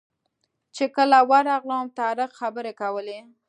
چې کله ورغلم طارق خبرې کولې.